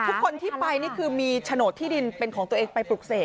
ทุกคนที่ไปนี่คือมีโฉนดที่ดินเป็นของตัวเองไปปลูกเสก